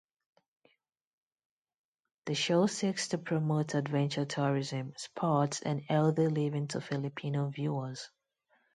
The show seeks to promote adventure tourism, sports and healthy living to Filipino viewers.